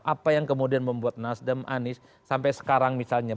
apa yang kemudian membuat nasdem anies sampai sekarang misalnya